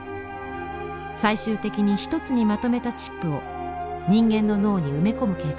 最終的に１つにまとめたチップを人間の脳に埋め込む計画です。